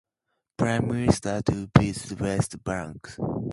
"Prime Minister to visit West Bank".